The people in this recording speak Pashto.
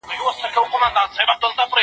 زه پرون کښېناستل وکړې!؟